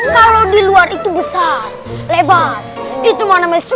kalau di luar itu besar lebar itu mana mesyu